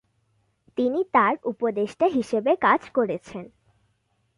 তিনি তার উপদেষ্টা হিসেবে কাজ করেছেন।